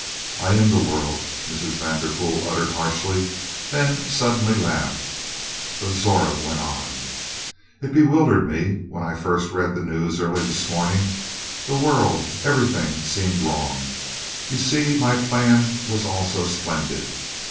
"I am the world," Mrs. Vanderpool uttered harshly, then suddenly laughed. But Zora went on: "It bewildered me when I first read the news early this morning; the world everything seemed wrong. You see, my plan was all so splendid.